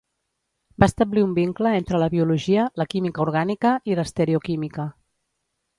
Va establir un vincle entre la biologia, la química orgànica i l'estereoquímica.